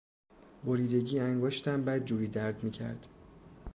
بریدگی انگشتم بدجوری درد میکرد.